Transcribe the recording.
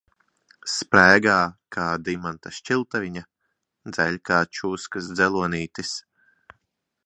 Sprēgā kā dimanta šķiltaviņa, dzeļ kā čūskas dzelonītis.